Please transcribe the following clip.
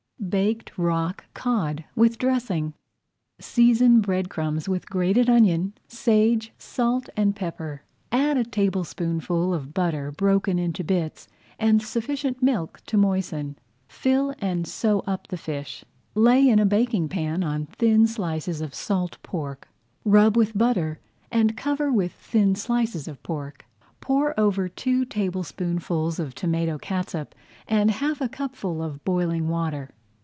BAKED ROCK COD WITH DRESSING Season bread crumbs with grated onion, sage, salt, and pepper. Add a tablespoonful of butter broken into bits, and sufficient milk to moisten. Fill and sew up the fish. Lay in a baking pan on thin slices of salt pork, rub with butter, and cover with thin slices of pork. Pour over two tablespoonfuls of tomato catsup and half a cupful of boiling water.